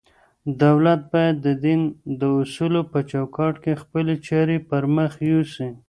دولت بايد د دين د اصولو په چوکاټ کي خپلي چارې پر مخ يوسي.